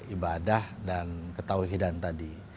ibadah dan ketawihidan tadi